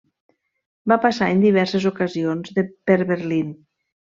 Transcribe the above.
Va passar en diverses ocasions per Berlín.